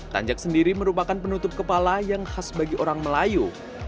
tanjak sendiri merupakan penutup kepala yang khas bagi orang melayu